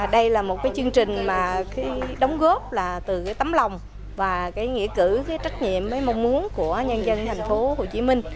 đây là một chương trình đóng góp từ tấm lòng và nghĩa cử trách nhiệm và mong muốn của nhân dân tp hcm